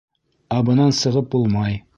Ә бынан сығып булмай.